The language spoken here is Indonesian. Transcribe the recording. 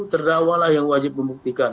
terdakwalah yang wajib membuktikan